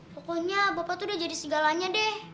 pokoknya bapak tuh udah jadi segalanya deh